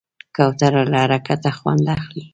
کوتره له حرکته خوند اخلي.